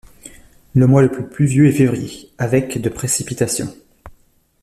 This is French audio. Le mois le plus pluvieux est février, avec de précipitations.